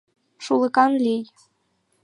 Шулыкан лий...